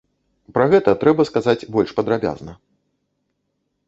Пра гэта трэба сказаць больш падрабязна.